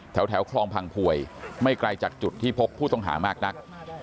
แถวคลองพังพวยไม่ไกลจากจุดที่พบผู้ต้องหามากนัก